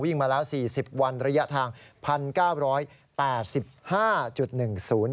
วิ่งมาแล้ว๔๐วันระยะทาง๑๙๘๕๑สตางค์